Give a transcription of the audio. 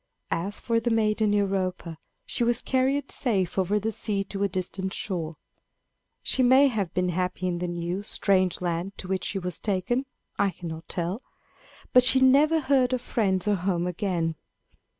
As for the maiden Europa, she was carried safe over the sea to a distant shore. She may have been happy in the new, strange land to which she was taken I cannot tell; but she never heard of friends or home again.